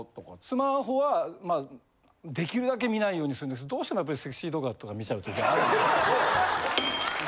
スマホはできるだけ見ないようにするんですけどどうしてもやっぱりセクシー動画とか見ちゃう時もあるんですけど。